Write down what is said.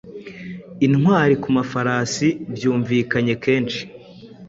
Intwari ku mafarasi Byumvikanye kenshi